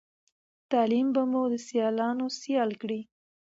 تعليم به مو د سیالانو سيال کړی